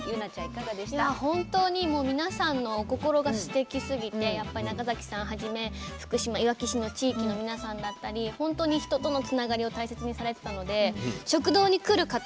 いや本当に皆さんのお心がすてきすぎて中崎さんはじめ福島・いわき市の地域の皆さんだったり本当に人とのつながりを大切にされてたので食堂に来る方